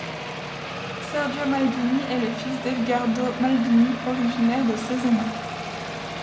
Sergio Maldini est le fils d'Edgardo Maldini originaire de Cesena.